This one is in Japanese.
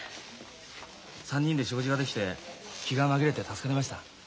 ３人で食事ができて気が紛れて助かりました。